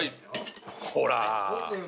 ほら。